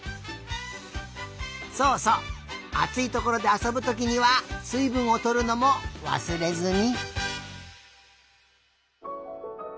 そうそうあついところであそぶときにはすいぶんをとるのもわすれずに。